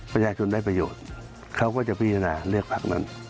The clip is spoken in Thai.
ประชาชนได้ประโยชน์เขาก็จะพิจารณาเลือกพักนั้น